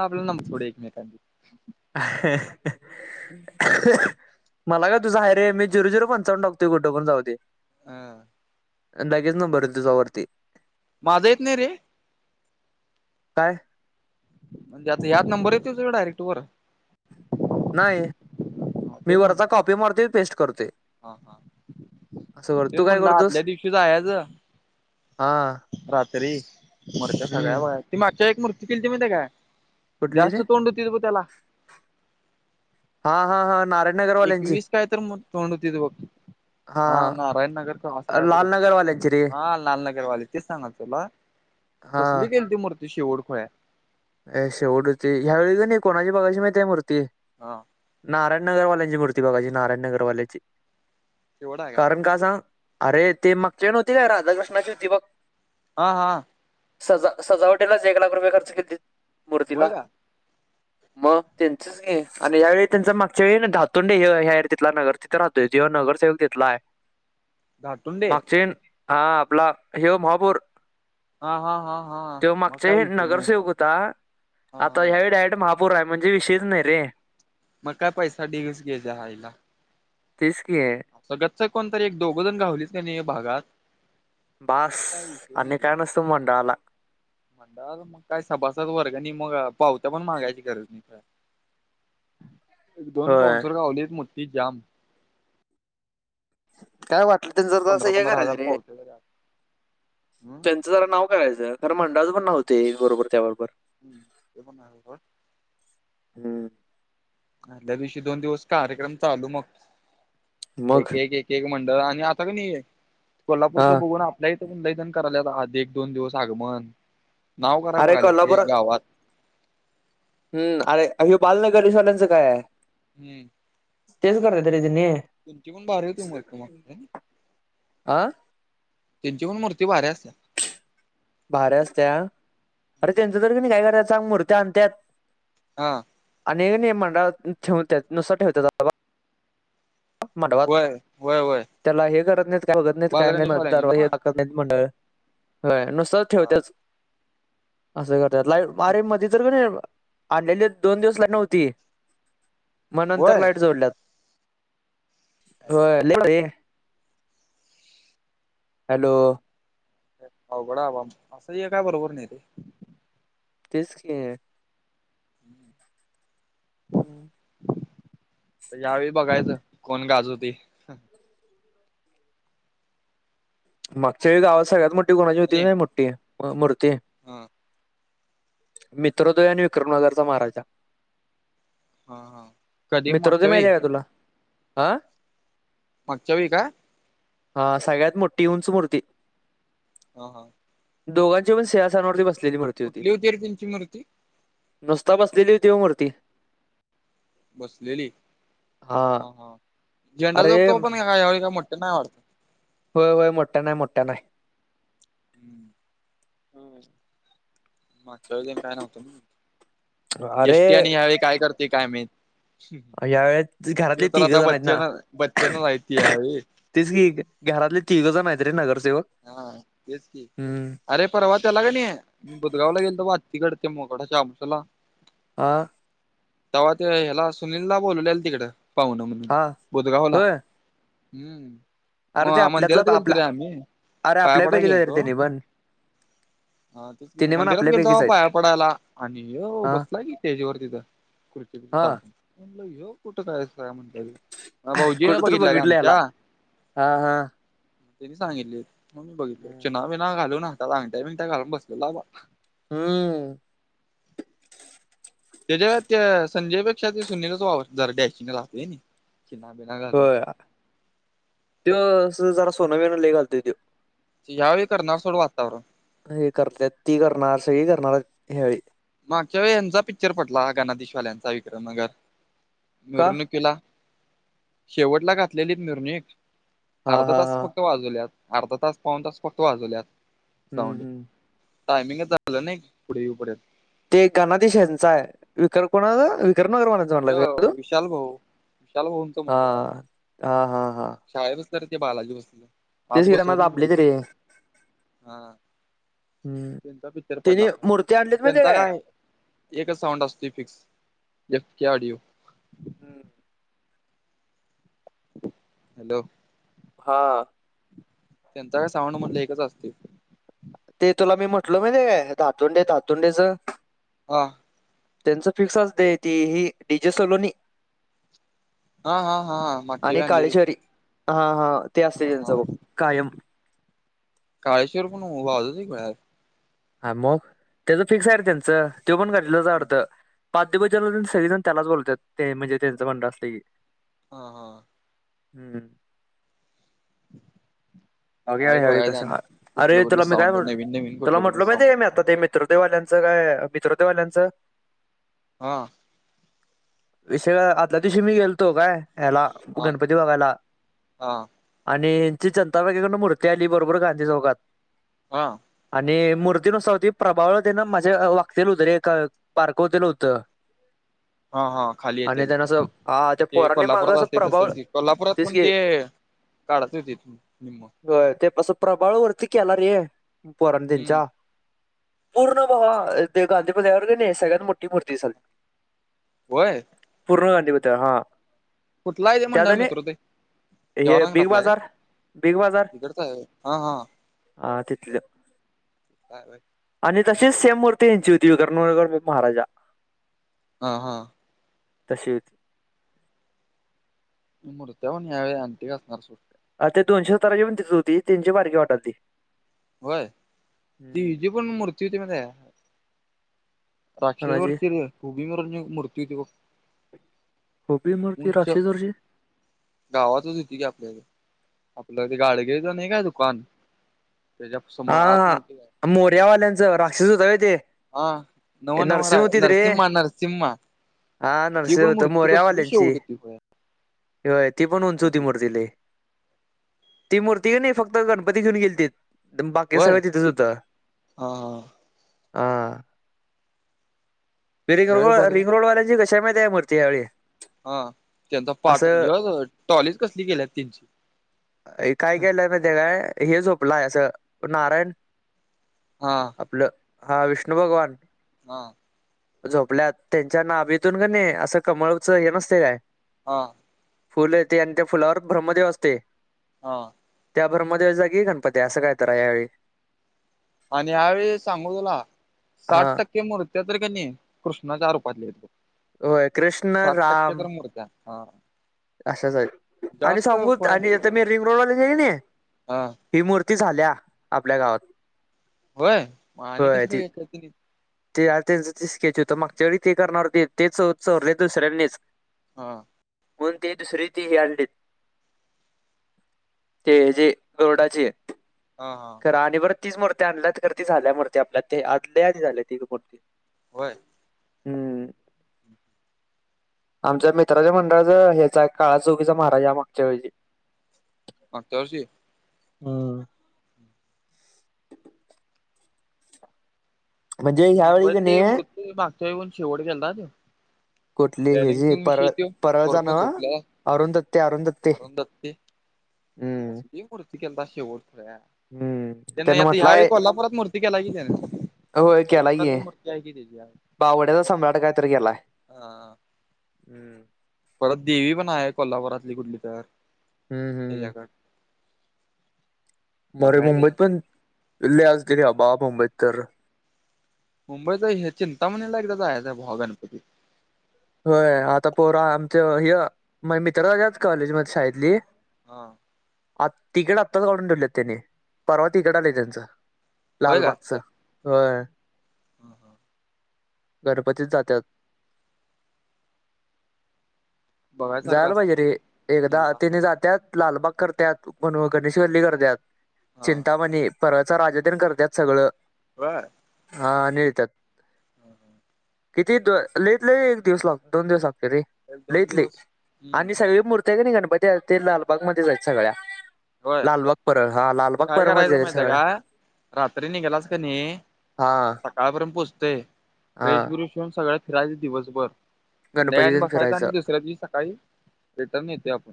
आपल्याला न थो [unintelligible] ड एकमेाकाना [inaudible] मला काय तुझा हाय रे, मी जिरो झिरो पंचावनून टाकतोय कुटपण जाऊदे. हा. लगेच नंबर ईल तुझा वरती. माझा येत नाही रे. काय? म्हणजे आता ह्यात नंबर येत नाही तुझा डायरेक्ट वर. नाही, मी तेच म्हण वरचां कॉपी मारतूय पेस्ट करतूय. हा हा, तेच म्हटलं आदल्या दिवशीच जायाचं हां. रात्री, मोरच्या सगळ्या बाया ती मागच्या एक मूर्ती केलीती माहितय काय, कुठली रे जास्त तोंड होतीत बघ त्याला. हा हा हा नारक एकवीस काय तर तोंड होतीत बघ. हा नारायणनगर असं काय तर लाल होतं, नगरवाल्यांची रे हा लालनगरवाले. तेच सांगालोय तूला, हा कसली केलती मूर्ती शेवट खुळ्या. ए शेवट हुती, ह्या वेळी क नाही कोणाची बघायची माहितय मूर्ती. हा. नारायणनगर वाल्यांची मूर्ती बघायची नारायण नगर वाल्यांची. शेवट आहे कारण का सांग, अरे ते मागच्या वेळी नव्हती काय राधाकृष्णाची हुती बघ हा हा सजा सजावटीलाच एक लाख रुपये खर्च केल्ते होय मूर्तीला. का म त्यांच. आणि यावेळी त्यांचा मागच्या वेळी धातोंडे हे ह्यायर तीथला नगर तिथं राहतोय नगरसेवक तीथलाय. धाटुंडे मागचीन हा आपला ह्यो महापौर. हा हा हा हा म काई ईषय नाई तो. का आता ह्यायेळी डायरेट महापौराय म्हणजे विषयच नाई रे. मग काय पैसा ढीगच घेजा हाईला. तेच कि. सगतच कोणतरी एक दोघं जन घावलीच का नी ह्या भागात. मग बास काय विषय आणि काय नसतं मंडळाला. मंडळाला मग काय सभासद वर्गनी मग पावत्या पण मागायची गरज नाई [unintelligible] [inaudible] एक दोन होय बाऊनसर गावलेत मोठी जाम. काय वाटलं त्यांन जर्दा असं पंधरा हे पंधरा करायचं हजार रे. पावत्या झाल्या हम्म त्यांचं जरा नाव करायचं खर मंडळाच पण नावं होतंय बरोबर त्याबरोबर. हम् ते पण [unintelligible] हम्म. आदल्या दिवशी दोन दिवस कार्यक्रम चालू मग मग एक एक् एक मंडळ आणि आता क नी हे कोल्हापूरच हा बघून आप लय जण लय जणं करायल्यात आद एक दोन दिवस आगमन. नाव कराय अरे बघायल्यात रे कोल्हापूरात गावात हम्म अरे हे बालनं गणेशवाल्यांचं काया. हम्म. तेच कराते रे तेंनी. ऊंची पण भारी होती मस्त मग हायनी. आं. त्यांची पण मूर्ती भारी असत्या. भारी असत्या, अरे त्यांचं तर की नी काय करायचा मुर्त्या आणत्यात. हा. आणिय का नी मंडळात ठेवत्यात नुसत ठेवत्यात. मंडपात व्हय व्हय व्हय त्याला हे करत नाईत काय बघत नाईत काय नाई बालगणेशवाल्यांची नव्ह [unintelligible] मंडळ व्हय नुसतंच हा ठेवतेच असं करत्यात लाईव् मरे मध्ये तर क नी आणलेलेत दोन दिवस लाईट नव्हती. म नंतर होय. लाईट जोडल्यात. हो ले हे हॅलो. अवघड अवाम असंये काय बरोबर नाई ते. तेच की. हम्म. यावेळी बघायचं कोण गाजवते. मागच्या येळी गावा सगळ्यात मोठी कोणाची होती म काय मोठी मूर्ती. अं. मित्रोदय आणि विक्रमनगरचा महाराजा. हा हा. कधी मित्रोदय मागच्या वेळी माईती का् तुला हं मागच्या वेळी का. अ.. सगळ्यात मोठी उंच मूर्ती ह.. ह.. दोघांची पण सिंहासनावर होती बसली होती बघ. कुठली होती रे त्यांची मूर्ती? नुसत बसलेली होती बघ मूर्ती बसलेली हा ह.. हा.. झेंडा अरे जोगतो पण का का यावेळी काय मोठ नाह. होय.. होय.. मोठ्य नाय.. मोठ्य नाय.. हम्म हम्म. मागच्या वेळी काय नव्हतं, एस. अरे ष्टी. आणि ह्यावेळी काय करते काय माहित. ह्.... यावेळेस घरातले ह्यो तर तिघ आता जण आहेत बच्चन.. बच्चन राहिती हाये. ते की घरातले तिघजण हायेत रे नगरसेवक. हा तेच की. हम्म अरे.. परवा त्याला का नाय. बुजगावला गेलतो तर आत्तीकड ते मोकडाच्या आबच ला आ.. तेव्हा ते ह्याला सुनिला बोलवलेल तिकडं पाहुण म्हणून हा बुधगावला.. होय हम् अरे ते मा... आपल्यातला मंदिरात गेलतो आपला रे.. आम्ही, अरे पाया पडा आपल्यापैकीच की आहे रे त्याने पण हा.. तेच की त्याने पण मंदिरात गेल.. आपल्यापैकीच तो आहेत पाया पडायला आणि ह्यो.. हा बसला की स्टेज वर तिथ खुर्ची हा म्हणल... कुठं काय [unintelligible] भाऊजीने कुठं तर बघितला रे बघितलं याला आमच्या हा हा त्यांनी सांगितले, मग मी बघितल हम्म चिना- बिना घालूनात, हाताला अंगट्या -बिंगट्या घालून बसलेला बाबा. हम्म त्याच्यात त्या संजयपेक्षा ते सुनीलाच वावरतय जरा डॅशीनगला आणि पिना बिना होय... त्यो जरा सोनं- विन लय घालतेती. यावेळी करणार सोड वातावरण हे करत्यात, ती करणार. सगळी करणार.. ह्यावेळी मागच्या वेळी यांचा पिक्चर पडला हा गानाधिशवाल्यांचा विक्रम नगर, का मिरूनिक किला.. शेवटला घातलेली मिरवणूक, हा अर्धा हा तास हा फक्त वाजवल्यात. अर्धा तास, पाऊण तास फक्त वाजवल्यात, हम्म साऊंड हम्म टायमिंग झालं नई पुढ येऊ पर्यंत. ते गनाधीश ह्याचा आहे, विकर कोणाचा विक्रमनगर मालक जाऊन आला य का तू? विशाल भाऊ विशाल हा.. हा.. हा.. हा शाळे बसणार ते, बालाजी बसले. ते शिरा मज आपले करी. हा.. हा.. हम्म त्यांचा पिक्चर पडला त्याने होता काय? मूर्ती आणि आणलीत माहितीये त्यांचा काय एकच साउंड असतो फिक्स.. ए. के. ऑडिओ हम्म हॅलो! हा त्यांचा काय साऊंड म्हटलं एकच असतोय. ते तुला मी म्हटलो [inaudible] धातोंडे.. धातोंडेच आ त्यांचं फिक्स असतय ते.. हे डी. जे. सलोनी हा हा हा मागच्या आणि वेळी आणलेलीत काळेश्वरी हा हा ते असतय हा त्यांचं हा बघ कायम. काळेश्वर पण वाजवतो कि बाहेर हा मग! त्याचं फिक्स आहे रे त्यांचं तो पण गल्लितलाच हाय हा वाटतं. पाद्य पूजन म्हणून सगळेजण त्यालाच बोलवत्यात ते म्हणजे त्यांचं मंडळ असंल की. हा हा. हम्म. बघूया ह्यावेळी बघायचं कसं आणि ह कुठलं अरे कुठलं तुला मी काय साऊंड म्हटल नवीन नवीन तुला कुठलं कुठलं म्हटलो माहिती हाय साऊंड काय मी आता ते मी मित्रोदे वाल्यांचं काय मित्रदेवाल्यांचं हां. विषय आदल्या दिवशी मी गेलतो काय ह्याला हा गणपती बघायला, हा आणि ची चंद जनता बँकेकडून मूर्ती आली बरोबर गांधी चौकात हा. आणि मूर्ती कशी होती प्रभावळते न माझ्या वागते होत रे पार्कव हुतेल होतं. हा हा खाली आणि येतेल त्यानं असं हा त्या ते पोरांनी मागं कोल्हापुरात असं असतय तस प्रभावळ कि, कोल्हापुरात तेच पण की ते [unintelligible] निम्म वय ते अस प्रभाळ वरती केला रे पोरांनी हम्म त्यांच्या पूर्ण भावा ते गांधी पुतळ्या कड कणी सगळ्यात मोठी मूर्ती दिसालती. होय? पूर्ण गांधी पुतळा हा. कुठल हाय ते त्यात मंडळ आणि मित्रोदय ते जवाहर हे बिग नगरातल हाय काय? बाजार बिग बाजार तीकडचां हाय होय? हा हा. हा तिथलं आणि तसिच सेम मूर्ती हेंची होती [unintelligible] महाराजा. हा हा. तशी होती. मुर्त्या पण ह्या वेळी आँटिक असणार सोड. अर ते दोनसे सुतारांची पण तिथच होती तेनची बारकी वाटल ती. होय, ती हिजी पण मूर्ती होती माहिती हाय काय? राक्षस वर कोणाची फिरून उभी वर एक मूर्ती होती बघ. उभी मूर्ती उंच राक्षसवरची गावातच होती कि आपल्या इथ, आपलं ते गाडगिळ च नाही काय दुकान? त्याच्या समोर आत नव्हती काय? मोरयावाल्यांचं राक्षस होत होय ते हा नव ए, नव रा नरसिंह होतीत रे नरसिम्हा नरसिंम्हा. हा नरसिम्हा होत, शेवट मोरयावाल्यांची, होती होय ती होय ती पण उंच होती उभी मूर्ती लय. ती मूर्ती कणी फक्त गणपती घेऊन गेलतीत. बाकी होय सगळं तिथेच होत हा हा हा. रिंग यावेळी रोड बघाय रिंगरोडवाल्यांची कशी हाय मूर्ती यावेळी? हा त्यांचा पाट असं ह्यो टॉलीच कसली केल्यात त्यांची. काय केलय माहिती हाय काय हे झोपलंय असं नारायण हा. आपलं हा विष्णू भगवान. हा. झोपल्यात त्यांच्या नाभी तून का नाही असं कमळच हे नसते काय. हा. फुल येते आणि त्या फुलावर ब्रह्मदेव असते. हा. त्या ब्रह्मदेवाच्या जागी गणपती आहे असं काय तरहाय यावेळी. आणि ह्यावेेळी सांगू तुला साठ हा टक्के मूर्त्या तर कानी कृष्णाच्या रूपातली आहेत. होय कृष्ण साठ टक्के राम. तर मूर्त्या हा. अशाच आहे आणि जास्त सांगू खोळ्या आणि तर मी रिंग रोडवाले हाय नाही. हा ही मूर्ती झाल्या आपल्या गावात होय आणि होय कसं काय ती याच्या तली. ते आ त्यांचं ते स्केच होतं मागच्या वेळी ते करणार ते तेच चोरले दुसऱ्यांनीच. हा. म्हणून ते दुसरे ते हे आलतेत. ते जे रोडाचे हा हा. तर आणि बरं तीच मूर्ती आणल्या तर ती झाल्या मूर्ती आपल्या ते आपल्या आधी ती झाले ती मूर्ती. होय. हम्म. आमच्या मित्राच्या मंडळाच ह्याचा आहे काळा चौकीचा महाराजा आहे मागच्या वेळची. मागच्या वर्षी हम. म्हणजे ह्यावेळी की मुंबईतले नाही मूर्ती मागच्या वेळी पण शेवट गेलता तो. कुठली हे जी बॅलनसिंग परळ विषयी त्यो परळचा पुरण नव झोपला अरुण दत्ते अरुण दत्ते अरुण दत्ते हम्म कसली मूर्ती केलता शेवटला यार. हम्म त्याने त्यानं आता ह्यावेेळी म्हटलाय कोल्हापुरात मूर्ती केला की त्यान होय केलाय बावड्याचा सम्राट कायतरी केेलाय. हा ह. हम्म. परत देवी पण आहे कोल्हापुरातली कुठली तर. हम् हम. त्याच्या कड बर मुंबईत पण लय असती रे बाबा मुंबईत तर. मुंबईच हे चिंतामणीला एकदा जायाच बुवा गणपती. होय आता पोरा आमच्या हि म मित्रत कॉलेज मध्ये शाळेतली. हा. आ तिकीट आत्ताच काढून ठेवले त्यानी परवा तिकीट आले त्यांचं. लालबागच होय. हा हा. गणपतीत जात्यात. बघायसारखं जायला असतं पाहिजे रे एकदा तिने जात्या लालबाग करत्यात. म्हणू गणेश हा गल्ली करत्यात हा चिंतामणी परळचा राजा तेनं करतात सगळं. बरं. हा नीळत्यात हम् हम्. किती लईत लई एक दिवस लाग दोन दिवस लागतो रे. एक दोन लईत लई दिवस. आणि हम्म सगळी मूर्ती आहे कणी गणपती ते लालबागमध्येच आहेत सगळ्या. होय लालबाग परळ हा लालबाग काय परळ मध्ये करायचं आहेत माहित आहे सगळ्या. का? रात्री निघालास का नाहीस हा सकाळापर्यंत पोचतंय हा फ्रेश बिश होऊन सगळं फिरायचं दिवसभर संध्याकाळी आणि गणपती तेन बसायच फिरायचं आणि दुसऱ्या दिवशी सकाळी रिटर्न येतोय आपण.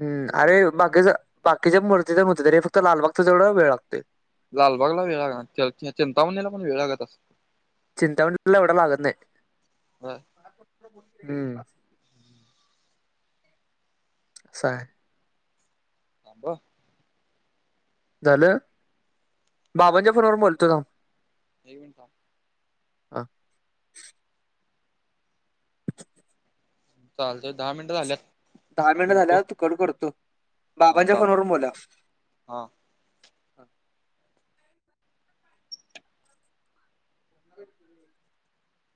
हम्म असं कराव अरे बाकीच बाकीच्या मूर्तीच होतय रे फक्त लालबागच तेवढं वेळ लागतोय. लालबागला वेळ लागणार च चिंतामणीला पण वेळ लागतं असलं? चिंंतामणीला एवढा लागतं नाही. असं आहे. हो. झालं बाबांच्या फोन वर बोलतो थांब? [unintelligible] हां. चालतंय दहा मिनट झाल्यात. दहा मिनट ठेवतो झाल्यात कट करतो हा बाबांच्या चालतंय फोनवरून बोलूयात. हा [unintelligible]